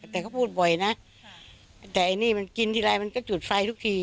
แต่เขาพูดบ่อยนะแต่ไอ้นี่มันกินทีไรมันก็จุดไฟทุกที